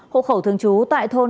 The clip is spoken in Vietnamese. hộ khẩu thường trú tại thôn